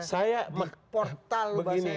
di portal bahasanya bang andri